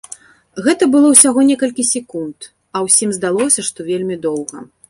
Гэта было ўсяго некалькі секунд, а ўсім здалося, што вельмі доўга.